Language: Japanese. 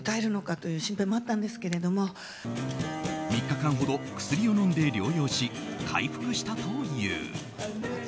３日間ほど薬を飲んで療養し回復したという。